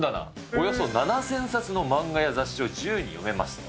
およそ７０００冊の漫画や雑誌を自由に読めますと。